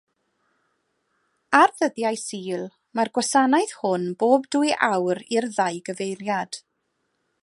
Ar ddyddiau Sul, mae'r gwasanaeth hwn bob dwy awr i'r ddau gyfeiriad.